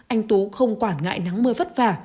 anh tú không quản ngại nắng mưa vất vả